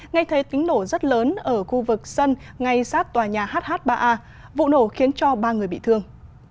ngay thấy tính nổ rất lớn ở khu vực sân ngay sát tòa nhà hh ba a vụ nổ khiến cho ba người bị thương